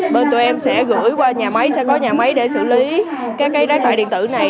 bên tụi em sẽ gửi qua nhà máy sẽ có nhà máy để xử lý các cái rác thải điện tử này